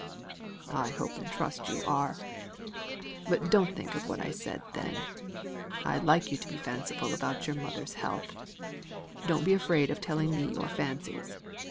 "I hope and trust you are. But don't think of what I said then. I like you to be fanciful about your mother's health! Don't be afraid of telling me your fancies.